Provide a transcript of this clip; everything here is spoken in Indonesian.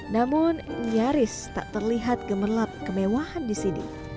namun nyaris tak terlihat gemerlap kemewahan di sini